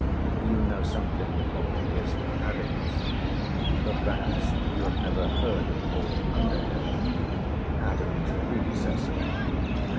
You know something of Vigours and Adams, but perhaps you have never heard of old Underhill, Adams' predecessor.